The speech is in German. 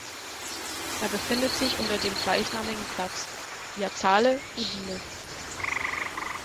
Er befindet sich unter dem gleichnamigen Platz "(piazzale Udine)".